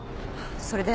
それで？